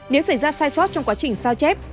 nếu xảy ra sai sót trong quá trình sao chép